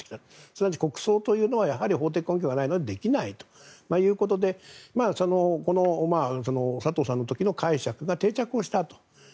すなわち、国葬というのは法的根拠がないとできないということで佐藤さんの時の解釈が定着をしたと。